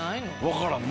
わからん。